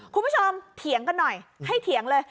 เถียงกันหน่อยให้เถียงเลย